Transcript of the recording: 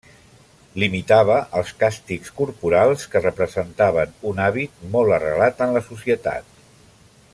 Limitava els càstigs corporals, que representaven un hàbit molt arrelat en la societat.